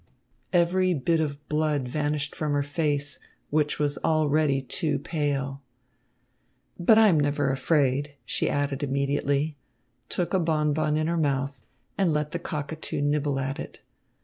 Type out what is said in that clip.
Every bit of blood vanished from her face, which was already too pale. "But I am never afraid," she added immediately, took a bonbon in her mouth, and let the cockatoo nibble at it.